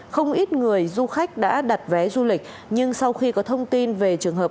không ít người du khách đã đặt vé du lịch nhưng sau khi có thông tin về trường hợp